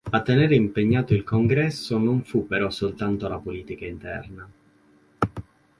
A tenere impegnato il Congresso non fu però soltanto la politica interna.